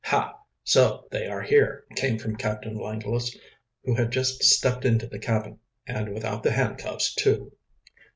"Ha! so they are here!" came from Captain Langless, who had just stepped into the cabin. "And without the handcuffs, too."